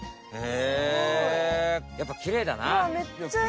やっぱきれいだな！